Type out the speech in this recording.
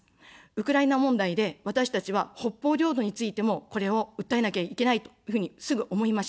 ウクライナ問題で私たちは北方領土についても、これを訴えなきゃいけないというふうに、すぐ思いました。